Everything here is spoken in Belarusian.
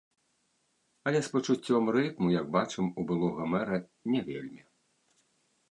Але з пачуццём рытму, як бачым, у былога мэра не вельмі.